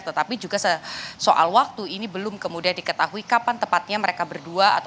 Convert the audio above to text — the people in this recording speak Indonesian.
tetapi juga soal waktu ini belum kemudian diketahui kapan tepatnya mereka berdua